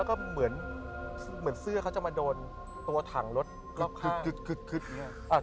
ก็เหมือนเสื้อเขาจะมาโดนตัวถังรถรอบข้าง